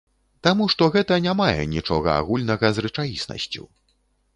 Таму што гэта не мае нічога агульнага з рэчаіснасцю.